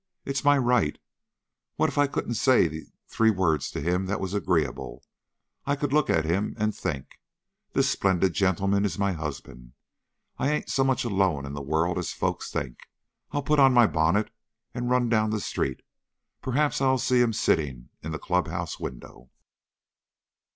It's my right; what if I couldn't say three words to him that was agreeable, I could look at him and think: 'This splendid gentleman is my husband, I ain't so much alone in the world as folks think.' I'll put on my bonnet and run down the street. Perhaps I'll see him sitting in the club house window!"